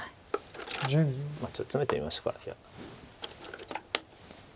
ちょっとツメてみましょうか。